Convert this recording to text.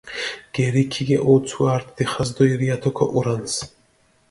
გერი ქიგეჸუცუ ართ დიხას დო ირიათო ქოჸურანს.